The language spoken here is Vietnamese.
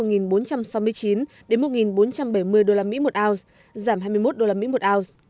giá vàng thế giới giao dịch quanh mốc một nghìn bốn trăm sáu mươi chín một nghìn bốn trăm bảy mươi đô la mỹ một oz giảm hai mươi một đô la mỹ một oz